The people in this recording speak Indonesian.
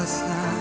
aku akan pergi